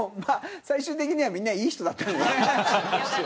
最終的にはみんないい人だった。